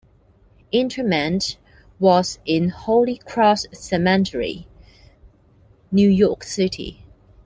Interment was in Holy Cross Cemetery, New York City.